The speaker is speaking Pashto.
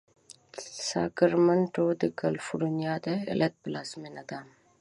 ساکرمنټو د کالفرنیا ایالت پلازمېنه ده.